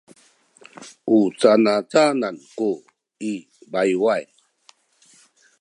u canacanan ku i bayuay?